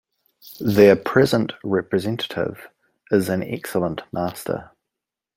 Their present representative is an excellent master.